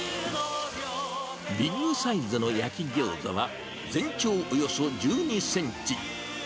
ビッグサイズの焼きギョーザは、全長およそ１２センチ。